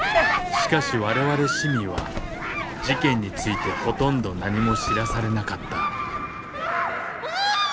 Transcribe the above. しかし我々市民は事件についてほとんど何も知らされなかった松本さんお電話です。